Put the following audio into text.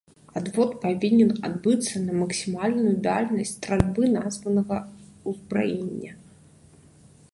Адвод павінен адбыцца на максімальную дальнасць стральбы названага ўзбраення.